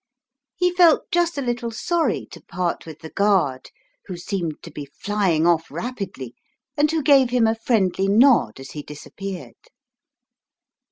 He felt just a little sorry to part with the guard, who seemed to be flying off rapidly, and who gave him a friendly nod as he disappeared.